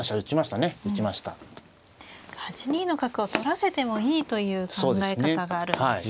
８二の角を取らせてもいいという考え方があるんですね。